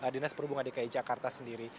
dinas perhubungan dki jakarta sendiri